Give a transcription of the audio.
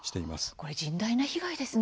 これ甚大な被害ですね。